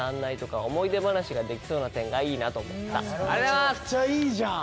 めちゃくちゃいいじゃん！